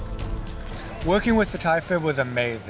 mengerjakan dengan thai fit adalah luar biasa